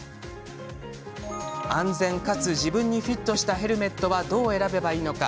安全かつ自分にフィットしたヘルメットはどう選べばいいのか